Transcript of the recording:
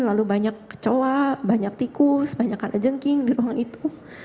lalu banyak coa banyak tikus banyak karena jengking di ruang itu